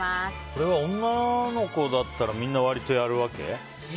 これは、女の子だったらみんな、割とやるわけ？